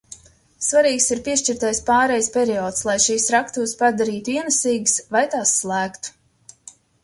Svarīgs ir piešķirtais pārejas periods, lai šīs raktuves padarītu ienesīgas vai tās slēgtu.